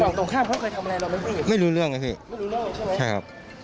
ฝั่งตรงข้ามเค้าเคยทำอะไรเราไม่รู้ไม่รู้เรื่องนะพี่ใช่ครับ